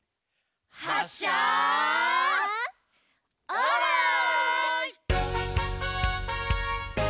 はっしゃオーライ！